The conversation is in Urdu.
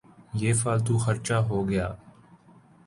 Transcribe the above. یہ فالتو خرچہ ہو گیا۔